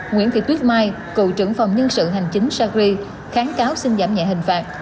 nguyễn thị tuyết mai cựu trưởng phòng nhân sự hành chính sagri kháng cáo xin giảm nhẹ hình phạt